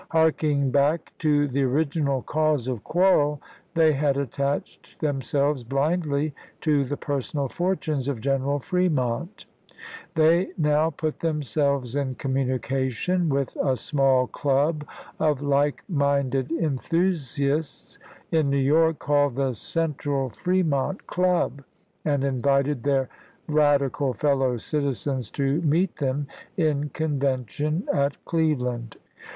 Harking back to the original cause of quarrel, they had attached themselves blindly to the personal fortunes of Gen eral Fremont; they now put themselves in communi cation with a small club of like minded enthusiasts in New York called the " Central Fremont Club," and invited their radical fellow citizens to meet them in convention at Cleveland.